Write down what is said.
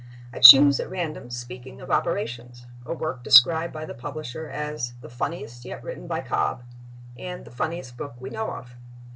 I choose, at random, "Speaking of Operations—," a work described by the publisher as "the funniest yet written by Cobb" and "the funniest book we know of."